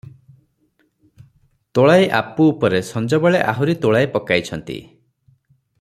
ତୋଳାଏ ଆପୁ ଉପରେ ସଞ୍ଜବେଳେ ଆହୁରି ତୋଳାଏ ପକାଇଛନ୍ତି ।